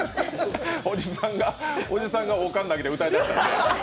おじさんが王冠投げて歌いだした。